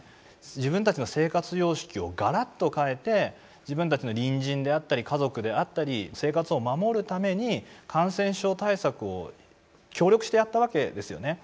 自分たちの生活様式をがらっと変えて自分たちの隣人であったり家族であったり生活を守るために感染症対策を協力してやったわけですよね。